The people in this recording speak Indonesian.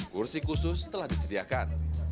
kursi khusus telah disediakan